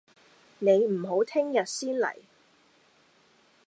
你唔好聽日先黎？